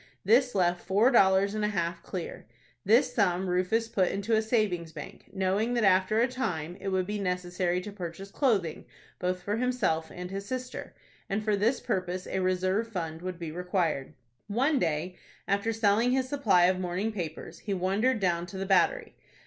This left four dollars and a half clear. This sum Rufus put into a savings bank, knowing that after a time it would be necessary to purchase clothing both for himself and his sister, and for this purpose a reserve fund would be required. One day, after selling his supply of morning papers, he wandered down to the Battery.